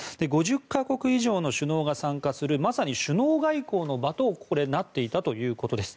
５０か国以上の首脳が参加するまさに首脳外交の場となっていたということです。